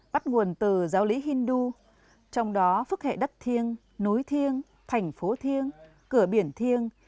bắt nguồn từ giáo lý hindu trong đó phức hệ đất thiêng núi thiêng thành phố thiêng cửa biển thiêng